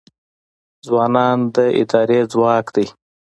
ځوانان د ادارې ځواک دی